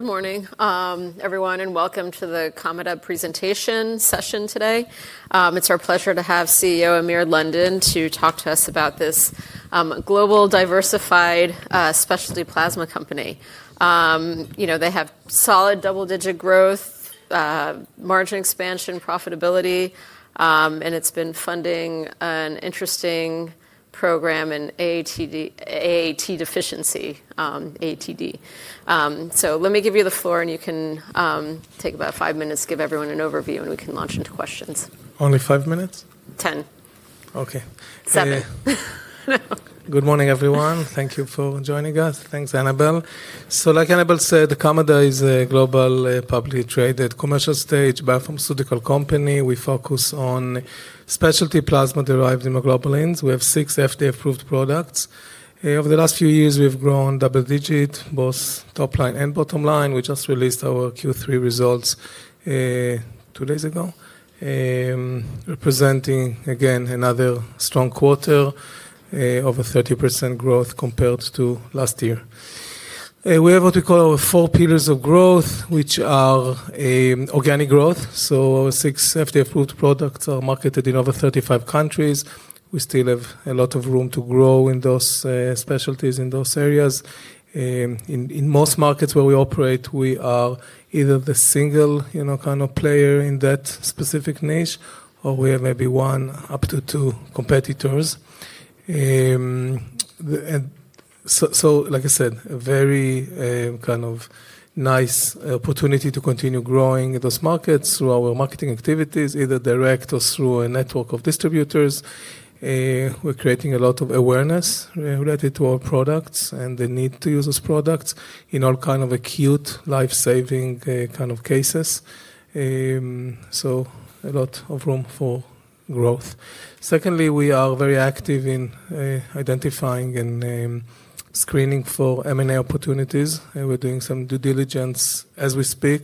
Good morning, everyone, and welcome to the Kamada presentation session today. It's our pleasure to have CEO Amir London to talk to us about this global diversified specialty plasma company. You know, they have solid double-digit growth, margin expansion, profitability, and it's been funding an interesting program in AAT deficiency, AATD. Let me give you the floor, and you can take about five minutes, give everyone an overview, and we can launch into questions. Only five minutes? 10. Okay. Seven. Good morning, everyone. Thank you for joining us. Thanks, Annabel. Like Annabel said, Kamada is a global publicly traded commercial stage biopharmaceutical company. We focus on specialty plasma-derived immunoglobulins. We have six FDA-approved products. Over the last few years, we've grown double-digit, both top line and bottom line. We just released our Q3 results two days ago, representing, again, another strong quarter, over 30% growth compared to last year. We have what we call our four pillars of growth, which are organic growth. Our six FDA-approved products are marketed in over 35 countries. We still have a lot of room to grow in those specialties, in those areas. In most markets where we operate, we are either the single kind of player in that specific niche, or we have maybe one, up to two competitors. Like I said, a very kind of nice opportunity to continue growing in those markets through our marketing activities, either direct or through a network of distributors. We're creating a lot of awareness related to our products and the need to use those products in all kinds of acute life-saving kind of cases. A lot of room for growth. Secondly, we are very active in identifying and screening for M&A opportunities. We're doing some due diligence as we speak.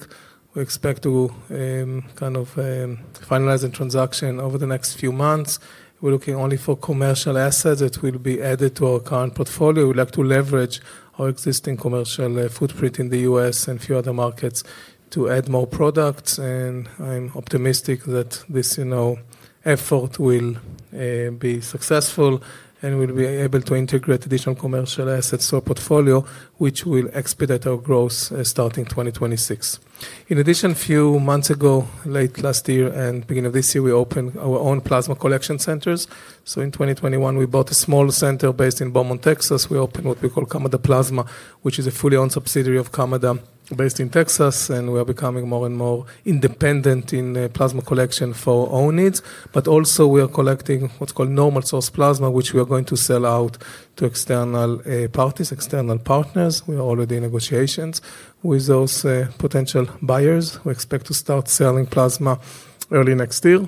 We expect to kind of finalize a transaction over the next few months. We're looking only for commercial assets that will be added to our current portfolio. We'd like to leverage our existing commercial footprint in the US and a few other markets to add more products. I'm optimistic that this effort will be successful and we'll be able to integrate additional commercial assets to our portfolio, which will expedite our growth starting 2026. In addition, a few months ago, late last year and beginning of this year, we opened our own plasma collection centers. In 2021, we bought a small center based in Beaumont, Texas. We opened what we call Kamada Plasma, which is a fully owned subsidiary of Kamada based in Texas. We are becoming more and more independent in plasma collection for our own needs. We are also collecting what's called normal-source plasma, which we are going to sell out to external parties, external partners. We are already in negotiations with those potential buyers. We expect to start selling plasma early next year.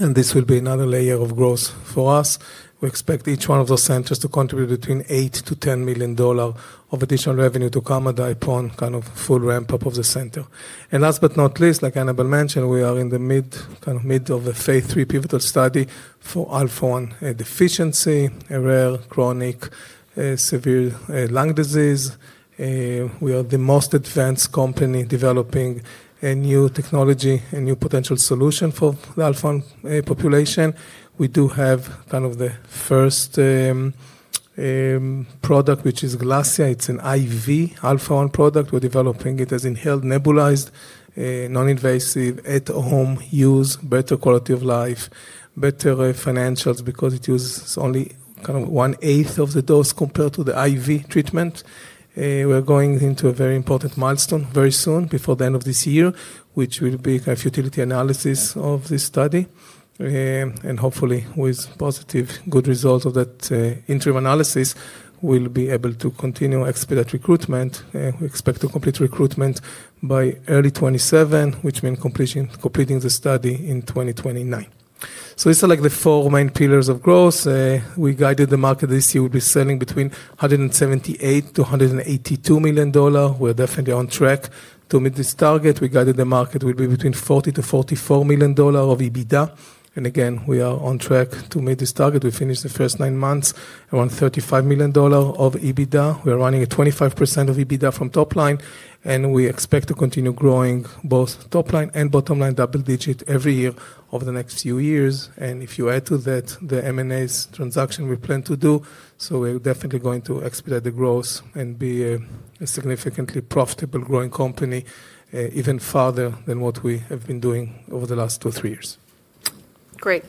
This will be another layer of growth for us. We expect each one of those centers to contribute between $8-$10 million of additional revenue to Kamada upon kind of full ramp-up of the center. Last but not least, like Annabel mentioned, we are in the mid kind of mid of a phase three pivotal study for alpha-1 deficiency, a rare, chronic, severe lung disease. We are the most advanced company developing a new technology, a new potential solution for the alpha-1 population. We do have kind of the first product, which is Glassia. It's an IV alpha-1 product. We're developing it as inhaled, nebulized, non-invasive, at-home use, better quality of life, better financials because it uses only kind of one-eighth of the dose compared to the IV treatment. We're going into a very important milestone very soon, before the end of this year, which will be a futility analysis of this study. Hopefully, with positive, good results of that interim analysis, we'll be able to continue expedite recruitment. We expect to complete recruitment by early 2027, which means completing the study in 2029. These are like the four main pillars of growth. We guided the market this year will be selling between $178-$182 million. We're definitely on track to meet this target. We guided the market will be between $40-$44 million of EBITDA. Again, we are on track to meet this target. We finished the first nine months, around $35 million of EBITDA. We're running at 25% of EBITDA from top line. We expect to continue growing both top line and bottom line, double-digit every year over the next few years. If you add to that the M&A transaction we plan to do, we're definitely going to expedite the growth and be a significantly profitable, growing company even farther than what we have been doing over the last two or three years. Great.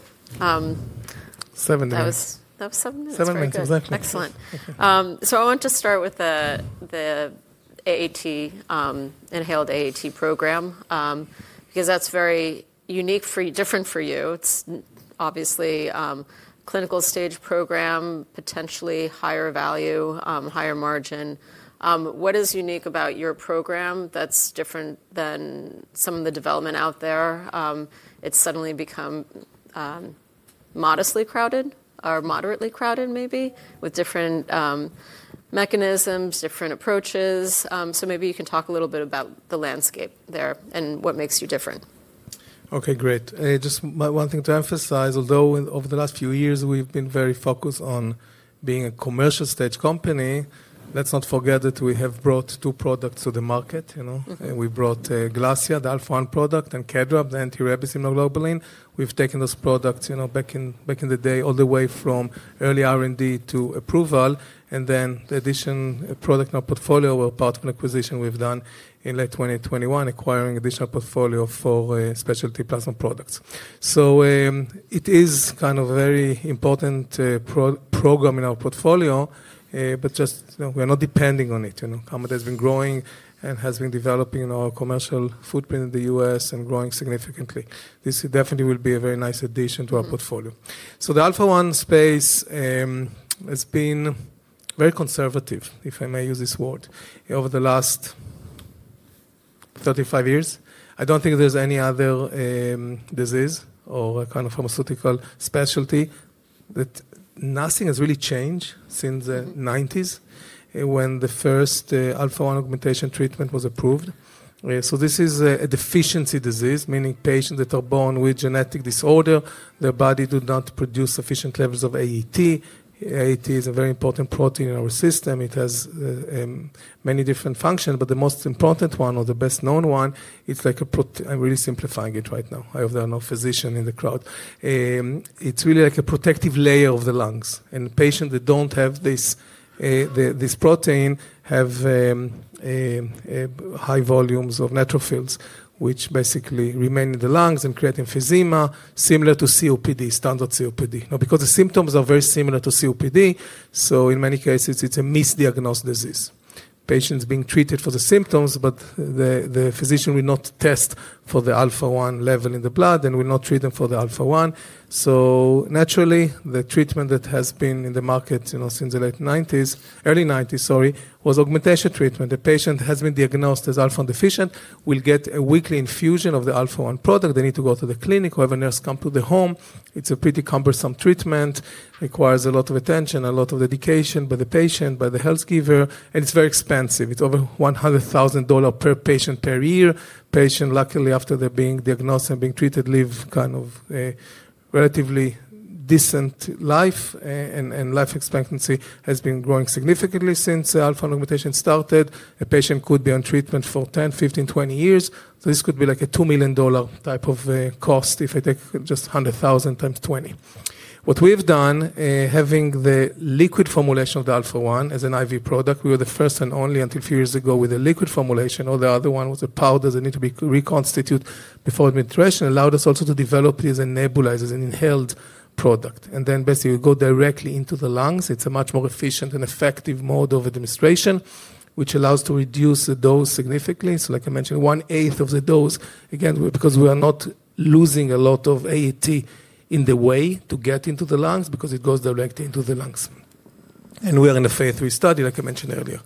Seven minutes. That was seven minutes. Seven minutes, exactly. Excellent. I want to start with the AAT, inhaled AAT program, because that's very unique, different for you. It's obviously a clinical stage program, potentially higher value, higher margin. What is unique about your program that's different than some of the development out there? It's suddenly become modestly crowded, or moderately crowded, maybe, with different mechanisms, different approaches. Maybe you can talk a little bit about the landscape there and what makes you different. Okay, great. Just one thing to emphasize, although over the last few years, we've been very focused on being a commercial stage company, let's not forget that we have brought two products to the market. We brought GLASSIA, the alpha-1 product, and KEDRAB, the anti-herpes immunoglobulin. We've taken those products back in the day, all the way from early R&D to approval. The addition product in our portfolio, a part of an acquisition we've done in late 2021, acquiring an additional portfolio for specialty plasma products. It is kind of a very important program in our portfolio, but just we're not depending on it. Kamada has been growing and has been developing our commercial footprint in the US and growing significantly. This definitely will be a very nice addition to our portfolio. The alpha-1 space has been very conservative, if I may use this word, over the last 35 years. I don't think there's any other disease or kind of pharmaceutical specialty that nothing has really changed since the 1990s when the first alpha-1 augmentation treatment was approved. This is a deficiency disease, meaning patients that are born with genetic disorder, their body does not produce sufficient levels of AAT. AAT is a very important protein in our system. It has many different functions, but the most important one, or the best-known one, it's like a protein—I'm really simplifying it right now. I hope there are no physicians in the crowd. It's really like a protective layer of the lungs. Patients that don't have this protein have high volumes of neutrophils, which basically remain in the lungs and create emphysema, similar to COPD, standard COPD. Now, because the symptoms are very similar to COPD, so in many cases, it's a misdiagnosed disease. Patients being treated for the symptoms, but the physician will not test for the alpha-1 level in the blood and will not treat them for the alpha-1. Naturally, the treatment that has been in the market since the early 1990s was augmentation treatment. The patient has been diagnosed as alpha-1 deficient, will get a weekly infusion of the alpha-1 product. They need to go to the clinic or have a nurse come to the home. It's a pretty cumbersome treatment, requires a lot of attention, a lot of dedication by the patient, by the health giver, and it's very expensive. It's over $100,000 per patient per year. Patients, luckily, after they're being diagnosed and being treated, live kind of a relatively decent life, and life expectancy has been growing significantly since alpha-1 augmentation started. A patient could be on treatment for 10, 15, 20 years. This could be like a $2 million type of cost if I take just $100,000 times 20. What we've done, having the liquid formulation of the alpha-1 as an IV product, we were the first and only until a few years ago with a liquid formulation. All the other one was a powder that needed to be reconstituted before administration. It allowed us also to develop it as a nebulizer, as an inhaled product. Basically, we go directly into the lungs. It's a much more efficient and effective mode of administration, which allows us to reduce the dose significantly. Like I mentioned, one-eighth of the dose, again, because we are not losing a lot of AAT in the way to get into the lungs because it goes directly into the lungs. We are in a phase three study, like I mentioned earlier.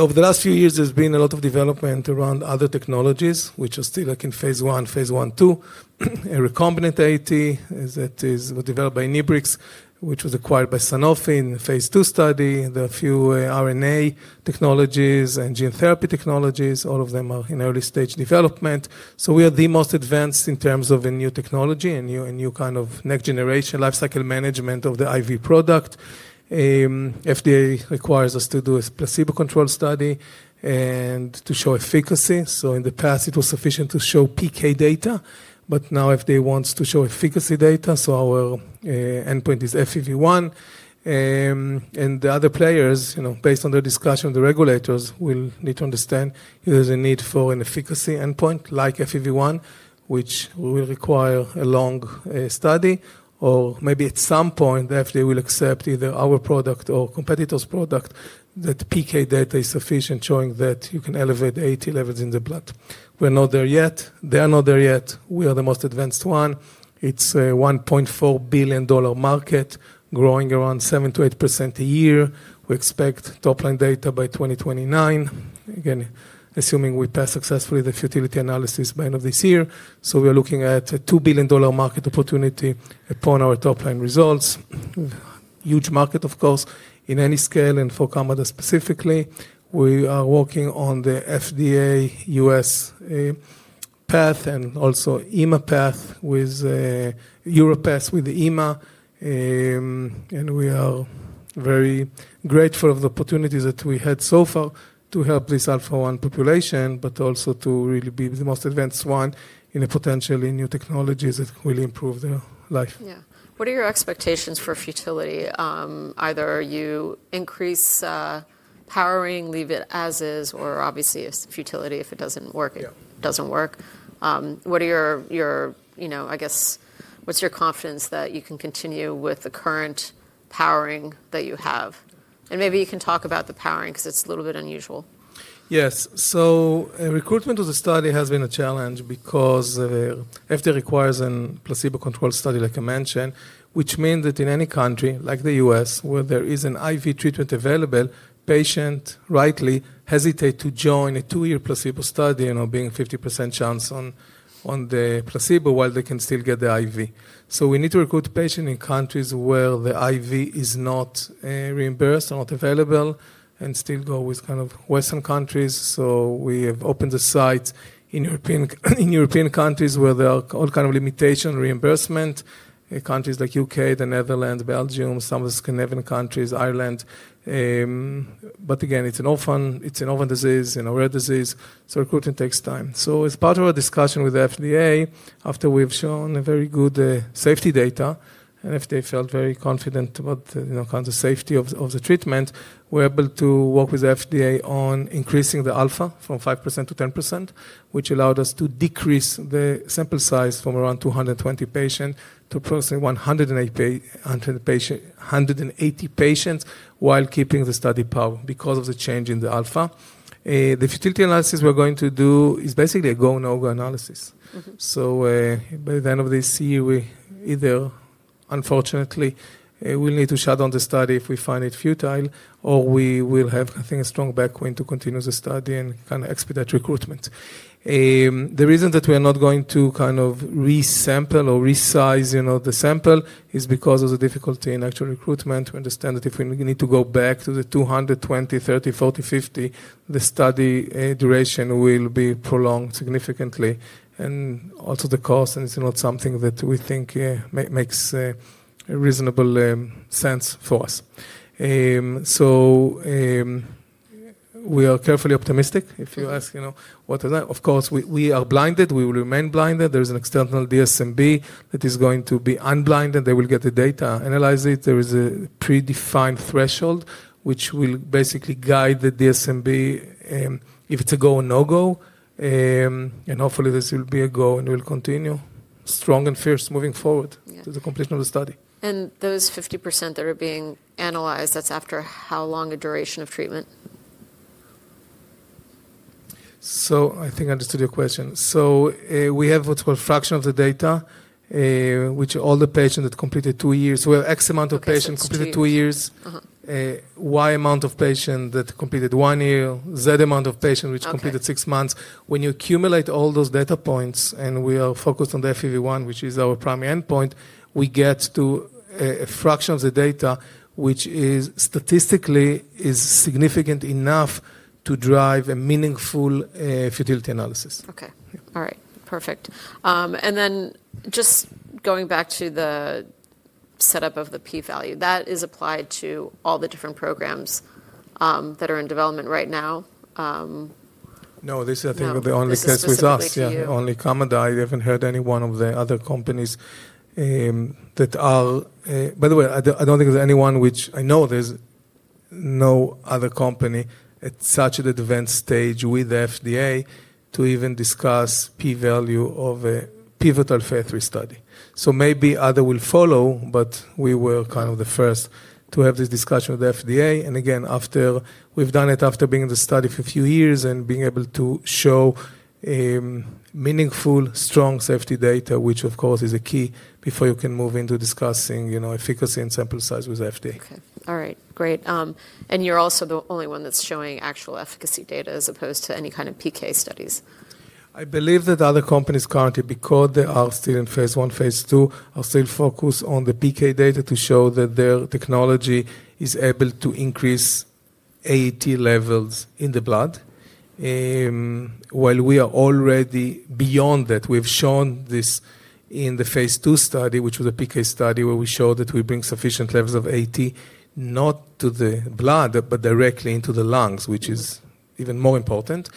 Over the last few years, there's been a lot of development around other technologies, which are still in phase one, phase one-two. A recombinant AAT that was developed by Inhibrx, which was acquired by Sanofi, in a phase two study. There are a few RNA technologies and gene therapy technologies. All of them are in early stage development. We are the most advanced in terms of a new technology, a new kind of next-generation lifecycle management of the IV product. FDA requires us to do a placebo-controlled study and to show efficacy. In the past, it was sufficient to show PK data, but now FDA wants to show efficacy data. Our endpoint is FEV1. The other players, based on their discussion with the regulators, will need to understand if there's a need for an efficacy endpoint like FEV1, which will require a long study. Maybe at some point, the FDA will accept either our product or competitors' product that PK data is sufficient, showing that you can elevate AAT levels in the blood. We're not there yet. They are not there yet. We are the most advanced one. It's a $1.4 billion market, growing around 7%-8% a year. We expect top-line data by 2029, again, assuming we pass successfully the fertility analysis by the end of this year. We are looking at a $2 billion market opportunity upon our top-line results. Huge market, of course, in any scale, and for Kamada specifically. We are working on the FDA US path and also EMA path with Europe path with EMA. We are very grateful of the opportunities that we had so far to help this alpha-1 population, but also to really be the most advanced one in potentially new technologies that will improve their life. Yeah. What are your expectations for futility? Either you increase powering, leave it as is, or obviously, it's futility if it doesn't work. It doesn't work. What are your, I guess, what's your confidence that you can continue with the current powering that you have? Maybe you can talk about the powering because it's a little bit unusual. Yes. Recruitment of the study has been a challenge because FDA requires a placebo-controlled study, like I mentioned, which means that in any country like the U.S., where there is an IV treatment available, patients rightly hesitate to join a two-year placebo study and being 50% chance on the placebo while they can still get the IV. We need to recruit patients in countries where the IV is not reimbursed or not available and still go with kind of Western countries. We have opened the site in European countries where there are all kinds of limitations on reimbursement, countries like the U.K., the Netherlands, Belgium, some of the Scandinavian countries, Ireland. Again, it's an orphan disease, a rare disease. Recruitment takes time. As part of our discussion with the FDA, after we've shown very good safety data, and FDA felt very confident about the kinds of safety of the treatment, we're able to work with the FDA on increasing the alpha from 5% to 10%, which allowed us to decrease the sample size from around 220 patients to approximately 180 patients while keeping the study power because of the change in the alpha. The futility analysis we're going to do is basically a go/no-go analysis. By the end of this year, we either, unfortunately, will need to shut down the study if we find it futile, or we will have, I think, a strong backwind to continue the study and kind of expedite recruitment. The reason that we are not going to kind of resample or resize the sample is because of the difficulty in actual recruitment. We understand that if we need to go back to the 220, 30, 40, 50, the study duration will be prolonged significantly. Also the cost, and it's not something that we think makes reasonable sense for us. We are carefully optimistic. If you ask what does that, of course, we are blinded. We will remain blinded. There is an external DSMB that is going to be unblinded. They will get the data, analyze it. There is a predefined threshold, which will basically guide the DSMB if it's a go or no-go. Hopefully, this will be a go and we'll continue strong and fierce moving forward to the completion of the study. Those 50% that are being analyzed, that's after how long a duration of treatment? I think I understood your question. We have what's called a fraction of the data, which is all the patients that completed two years. We have X amount of patients completed two years, Y amount of patients that completed one year, Z amount of patients which completed six months. When you accumulate all those data points and we are focused on the FEV1, which is our primary endpoint, we get to a fraction of the data, which statistically is significant enough to drive a meaningful futility analysis. Okay. All right. Perfect. Just going back to the setup of the P-value, that is applied to all the different programs that are in development right now. No, this is, I think, the only case with us. Yeah, only Kamada. I have not heard any one of the other companies that are, by the way, I do not think there is anyone, which I know, there is no other company at such an advanced stage with the FDA to even discuss P-value of a pivotal phase three study. Maybe others will follow, but we were kind of the first to have this discussion with the FDA. Again, after we have done it after being in the study for a few years and being able to show meaningful, strong safety data, which of course is a key before you can move into discussing efficacy and sample size with the FDA. Okay. All right. Great. You are also the only one that's showing actual efficacy data as opposed to any kind of PK studies. I believe that other companies currently, because they are still in phase one, phase two, are still focused on the PK data to show that their technology is able to increase AAT levels in the blood. While we are already beyond that, we have shown this in the phase two study, which was a PK study where we showed that we bring sufficient levels of AAT not to the blood, but directly into the lungs, which is even more important.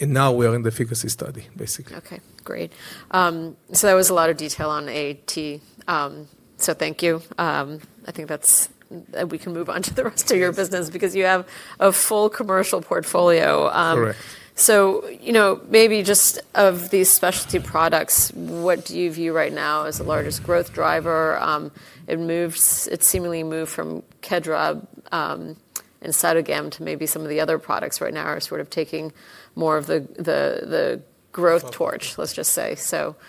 Now we are in the efficacy study, basically. Okay. Great. So that was a lot of detail on AAT. So thank you. I think that's, we can move on to the rest of your business because you have a full commercial portfolio. Correct. Maybe just of these specialty products, what do you view right now as the largest growth driver? It seemingly moved from KEDRAB and CYTOGAM to maybe some of the other products right now are sort of taking more of the growth torch, let's just say.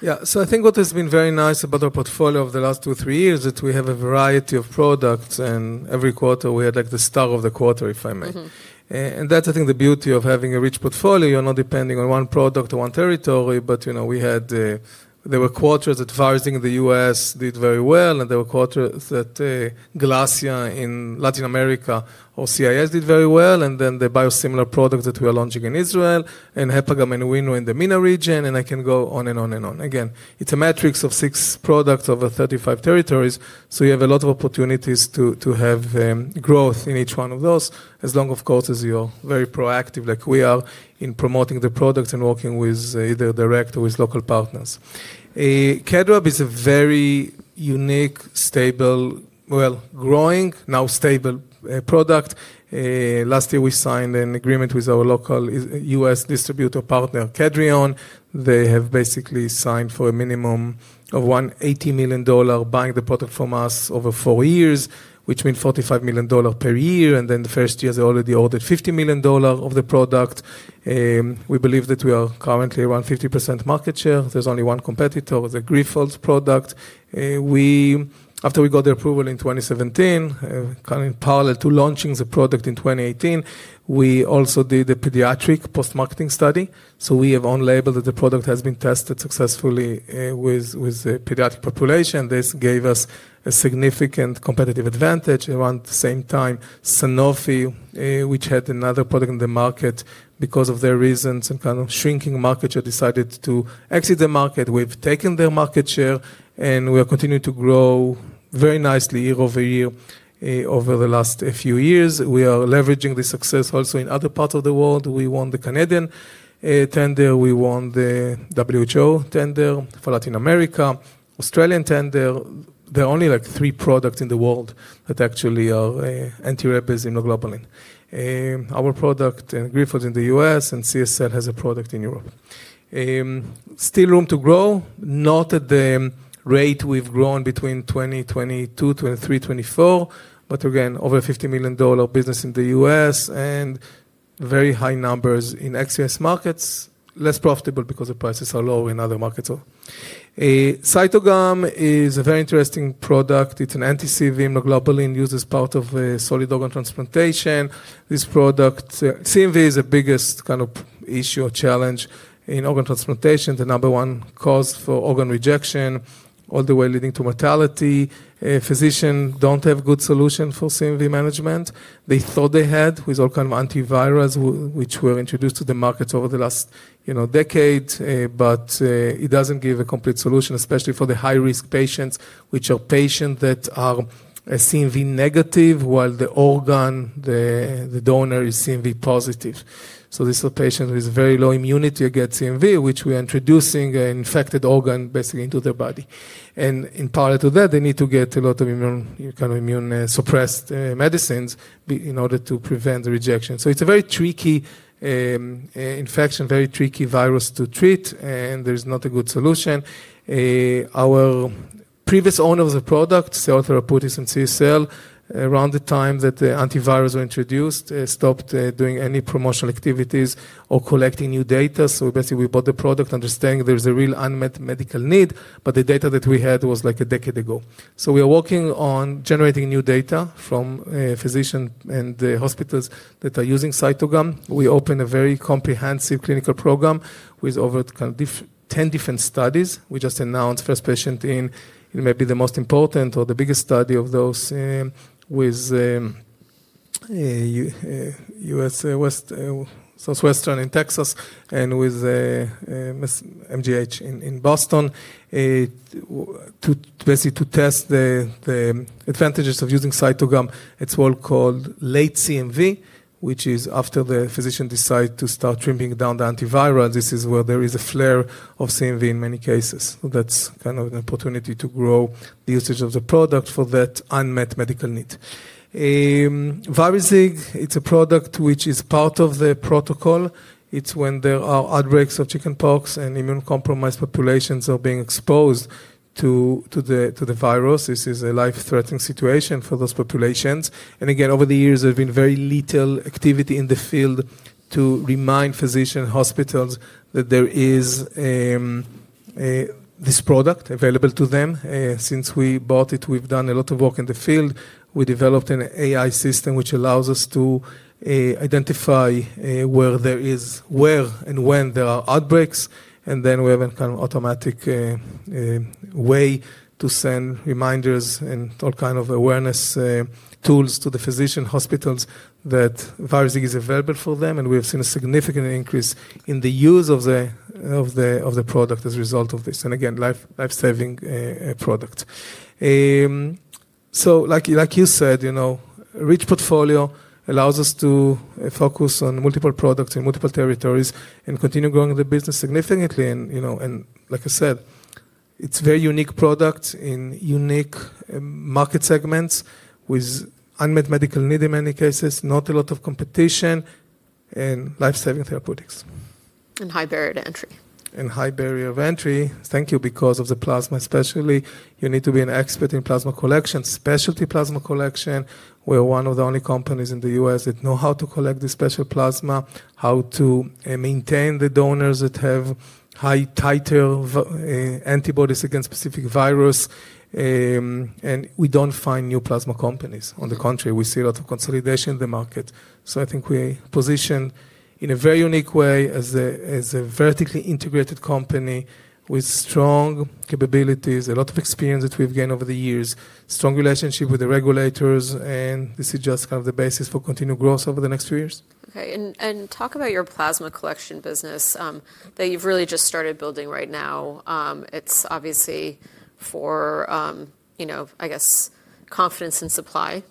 Yeah. I think what has been very nice about our portfolio over the last two, three years is that we have a variety of products, and every quarter, we had like the star of the quarter, if I may. That's, I think, the beauty of having a rich portfolio. You're not depending on one product or one territory, but we had quarters that Pfizer in the US did very well, and there were quarters that Glassia in Latin America or CIS did very well, and then the biosimilar products that we are launching in Israel and HEPGAM and Winoy in the MENA region, and I can go on and on and on. Again, it's a matrix of six products over 35 territories. You have a lot of opportunities to have growth in each one of those, as long, of course, as you are very proactive, like we are, in promoting the products and working with either direct or with local partners. KEDRAB is a very unique, stable, well, growing, now stable product. Last year, we signed an agreement with our local US distributor partner, Kedrion. They have basically signed for a minimum of $180 million buying the product from us over four years, which means $45 million per year. In the first year, they already ordered $50 million of the product. We believe that we are currently around 50% market share. There is only one competitor, the Grifols product. After we got the approval in 2017, kind of in parallel to launching the product in 2018, we also did a pediatric post-marketing study. We have on-labeled that the product has been tested successfully with the pediatric population. This gave us a significant competitive advantage. Around the same time, Sanofi, which had another product in the market, because of their reasons and kind of shrinking market share, decided to exit the market. We've taken their market share, and we are continuing to grow very nicely year over year over the last few years. We are leveraging the success also in other parts of the world. We won the Canadian tender. We won the WHO tender for Latin America, Australian tender. There are only like three products in the world that actually are anti-herpes immunoglobulin. Our product, Grifols in the US, and CSL has a product in Europe. Still room to grow, not at the rate we've grown between 2022, 2023, 2024, but again, over $50 million business in the US and very high numbers in excellence markets, less profitable because the prices are lower in other markets. CYTOGAM is a very interesting product. It's an anti-CMV immunoglobulin used as part of solid organ transplantation. This product, CMV, is the biggest kind of issue or challenge in organ transplantation, the number one cause for organ rejection, all the way leading to mortality. Physicians don't have a good solution for CMV management. They thought they had with all kinds of antivirals, which were introduced to the market over the last decade, but it doesn't give a complete solution, especially for the high-risk patients, which are patients that are CMV negative while the organ, the donor, is CMV positive. These are patients with very low immunity against CMV, which we are introducing an infected organ basically into their body. In parallel to that, they need to get a lot of kind of immune-suppressed medicines in order to prevent the rejection. It is a very tricky infection, very tricky virus to treat, and there is not a good solution. Our previous owner of the product, the author of Putis and CSL, around the time that the antivirals were introduced, stopped doing any promotional activities or collecting new data. We bought the product understanding there is a real unmet medical need, but the data that we had was like a decade ago. We are working on generating new data from physicians and hospitals that are using CYTOGAM. We opened a very comprehensive clinical program with over 10 different studies. We just announced first patient in maybe the most important or the biggest study of those with Southwestern in Texas and with MGH in Boston basically to test the advantages of using CYTOGAM. It's what we call late CMV, which is after the physician decides to start trimming down the antiviral. This is where there is a flare of CMV in many cases. That is kind of an opportunity to grow the usage of the product for that unmet medical need. VARIZIG, it's a product which is part of the protocol. It's when there are outbreaks of chickenpox and immune-compromised populations are being exposed to the virus. This is a life-threatening situation for those populations. Over the years, there's been very little activity in the field to remind physicians and hospitals that there is this product available to them. Since we bought it, we've done a lot of work in the field. We developed an AI system which allows us to identify where there is where and when there are outbreaks. We have a kind of automatic way to send reminders and all kinds of awareness tools to the physicians, hospitals that VARIZIG is available for them. We have seen a significant increase in the use of the product as a result of this. Again, lifesaving product. Like you said, a rich portfolio allows us to focus on multiple products in multiple territories and continue growing the business significantly. Like I said, it's a very unique product in unique market segments with unmet medical need in many cases, not a lot of competition, and lifesaving therapeutics. High barrier to entry. High barrier of entry. Thank you. Because of the plasma, especially, you need to be an expert in plasma collection, specialty plasma collection. We are one of the only companies in the US that know how to collect this special plasma, how to maintain the donors that have high titer antibodies against specific virus. We do not find new plasma companies in the country. We see a lot of consolidation in the market. I think we are positioned in a very unique way as a vertically integrated company with strong capabilities, a lot of experience that we have gained over the years, strong relationship with the regulators. This is just kind of the basis for continued growth over the next few years. Okay. Talk about your plasma collection business that you've really just started building right now. It's obviously for, I guess, confidence in supply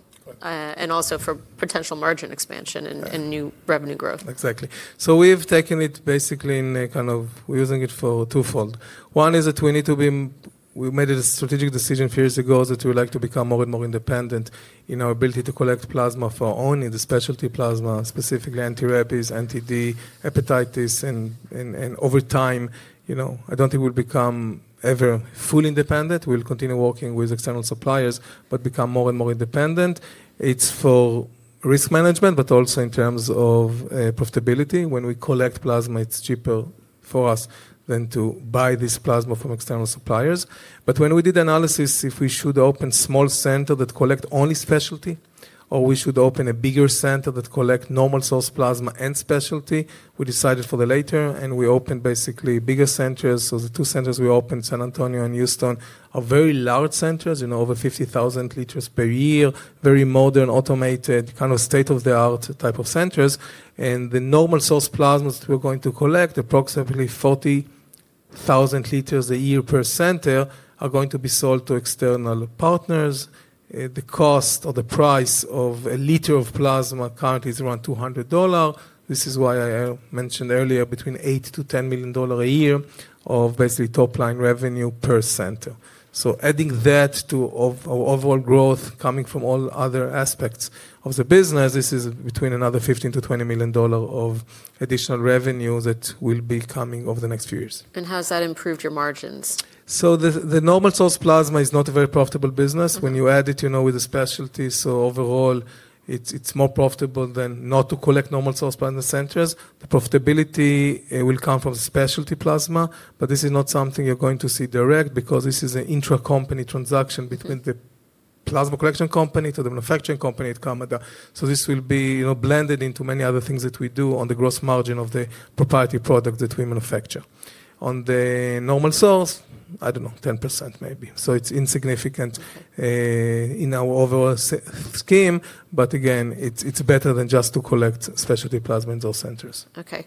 and also for potential margin expansion and new revenue growth. Exactly. We have taken it basically in kind of we are using it for twofold. One is that we need to be we made a strategic decision a few years ago that we would like to become more and more independent in our ability to collect plasma for our own in the specialty plasma, specifically anti-herpes, anti-D, hepatitis. Over time, I do not think we will become ever fully independent. We will continue working with external suppliers, but become more and more independent. It is for risk management, but also in terms of profitability. When we collect plasma, it is cheaper for us than to buy this plasma from external suppliers. When we did analysis, if we should open a small center that collects only specialty, or we should open a bigger center that collects normal-source plasma and specialty, we decided for the latter. We opened basically bigger centers. The two centers we opened, San Antonio and Houston, are very large centers, over 50,000 liters per year, very modern, automated, kind of state-of-the-art type of centers. The normal-source plasmas that we're going to collect, approximately 40,000 liters a year per center, are going to be sold to external partners. The cost or the price of a liter of plasma currently is around $200. This is why I mentioned earlier between $8 million-$10 million a year of basically top-line revenue per center. Adding that to our overall growth coming from all other aspects of the business, this is between another $15 million-$20 million of additional revenue that will be coming over the next few years. How has that improved your margins? The normal-source plasma is not a very profitable business. When you add it with the specialty, overall, it is more profitable than not to collect normal-source plasma centers. The profitability will come from the specialty plasma, but this is not something you are going to see direct because this is an intra-company transaction between the plasma collection company to the manufacturing company at Kamada. This will be blended into many other things that we do on the gross margin of the proprietary product that we manufacture. On the normal source, I do not know, 10% maybe. It is insignificant in our overall scheme, but again, it is better than just to collect specialty plasma in those centers. Okay.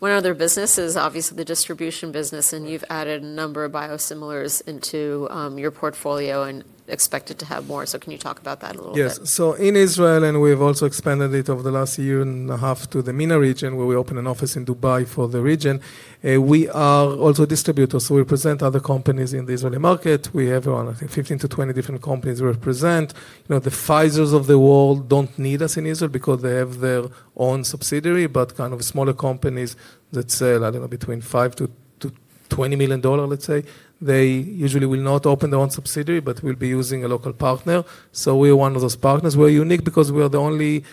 One other business is obviously the distribution business, and you've added a number of biosimilars into your portfolio and expected to have more. Can you talk about that a little bit? Yes. In Israel, and we have also expanded it over the last year and a half to the MENA region, where we opened an office in Dubai for the region. We are also a distributor, so we represent other companies in the Israeli market. We have around 15-20 different companies we represent. The Pfizers of the world do not need us in Israel because they have their own subsidiary, but kind of smaller companies that sell, I do not know, between $5-$20 million, let's say, they usually will not open their own subsidiary, but will be using a local partner. We are one of those partners. We are unique because we are the only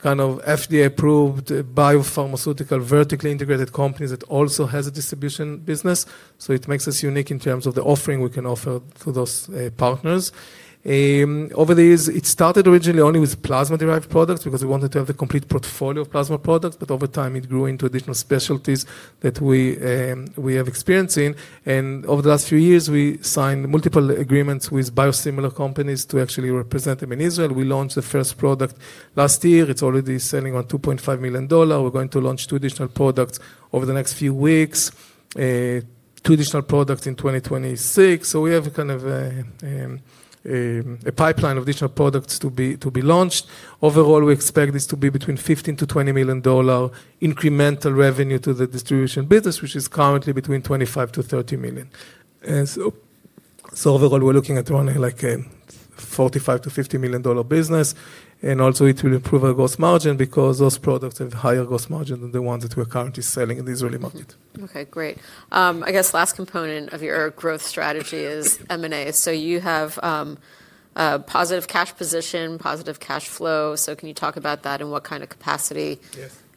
kind of FDA-approved biopharmaceutical vertically integrated company that also has a distribution business. It makes us unique in terms of the offering we can offer to those partners. Over the years, it started originally only with plasma-derived products because we wanted to have the complete portfolio of plasma products, but over time, it grew into additional specialties that we have experience in. Over the last few years, we signed multiple agreements with biosimilar companies to actually represent them in Israel. We launched the first product last year. It's already selling around $2.5 million. We're going to launch two additional products over the next few weeks, two additional products in 2026. We have kind of a pipeline of additional products to be launched. Overall, we expect this to be between $15-$20 million incremental revenue to the distribution business, which is currently between $25-$30 million. Overall, we're looking at running like a $45-$50 million business. It will also improve our gross margin because those products have higher gross margin than the ones that we're currently selling in the Israeli market. Okay, great. I guess the last component of your growth strategy is M&A. So you have a positive cash position, positive cash flow. So can you talk about that and what kind of capacity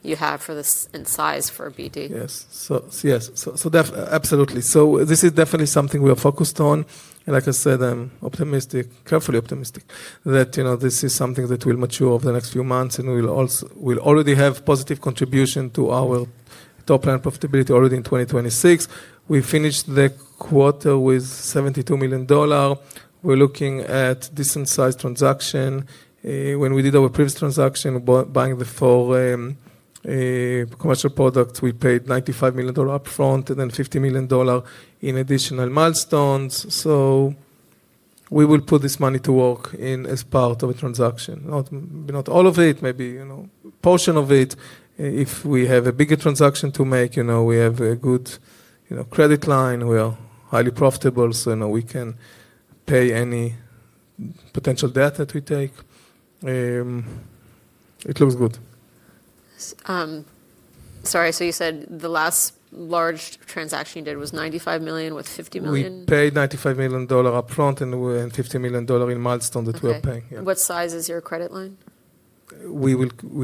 you have for this and size for BD? Yes. Yes. Absolutely. This is definitely something we are focused on. Like I said, I'm optimistic, carefully optimistic that this is something that will mature over the next few months. We'll already have positive contribution to our top-line profitability already in 2026. We finished the quarter with $72 million. We're looking at decent-sized transaction. When we did our previous transaction, buying the four commercial products, we paid $95 million upfront and then $50 million in additional milestones. We will put this money to work as part of a transaction. Not all of it, maybe a portion of it. If we have a bigger transaction to make, we have a good credit line. We are highly profitable, so we can pay any potential debt that we take. It looks good. Sorry, so you said the last large transaction you did was $95 million with $50 million? We paid $95 million upfront and $50 million in milestones that we are paying. What size is your credit line? We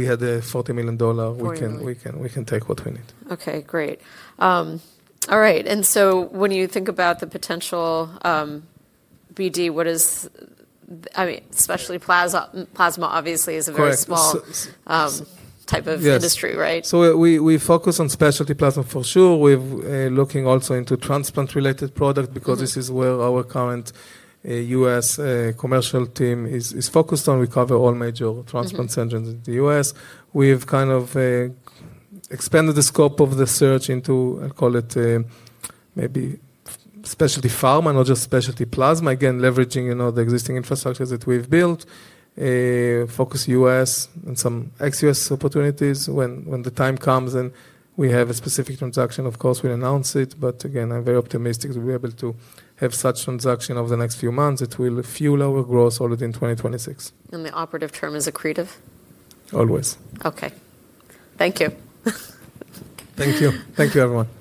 had a $40 million. We can take what we need. Okay, great. All right. When you think about the potential BD, what is, I mean, especially plasma, obviously, is a very small type of industry, right? We focus on specialty plasma for sure. We're looking also into transplant-related products because this is where our current US commercial team is focused on. We cover all major transplant centers in the US. We have kind of expanded the scope of the search into, I'll call it maybe specialty pharma, not just specialty plasma, again, leveraging the existing infrastructures that we've built, focus US and some ex-US opportunities when the time comes. We have a specific transaction, of course, we'll announce it. Again, I'm very optimistic that we'll be able to have such transaction over the next few months that will fuel our growth already in 2026. The operative term is accretive? Always. Okay. Thank you. Thank you. Thank you, everyone.